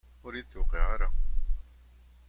Ur yi-d-tuqiɛ ara.